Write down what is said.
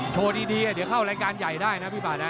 โชว์ดีเดี๋ยวเข้ารายการใหญ่ได้นะพี่ป่านะ